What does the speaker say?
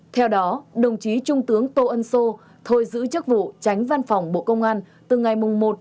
theo đó đồng chí trung tướng tô ân sô thôi giữ chức vụ tránh văn phòng bộ công an từ ngày một hai hai nghìn hai mươi ba